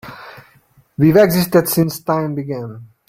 We've existed since time began.